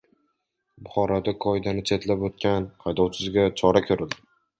Buxoroda qoidani chetlab o‘tgan haydovchiga chora ko‘rildi